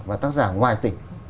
và tác giả ngoài tỉnh